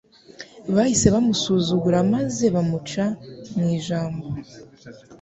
Bahise bamusuzugura maze bamuca mu ijambo,